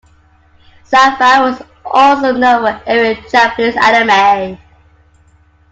Syfy was also known for airing Japanese anime.